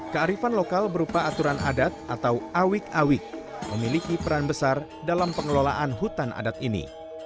kearifan lokal berupa aturan adat atau awik awik memiliki peran besar dalam pengelolaan hutan adat ini